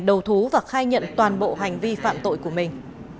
đầu thú và khai nhận toàn bộ hành vi phạm tội của mình